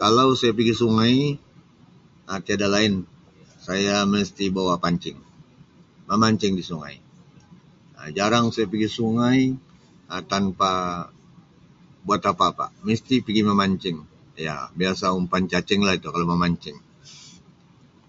Kalau saya pigi sungai Um tiada lain saya misti bawa pancing memancing di sungai Um jarang saya pigi sungai Um tanpa buat apa-apa misti pigi memancing ya biasa umpan cacing lah itu kalau memancing.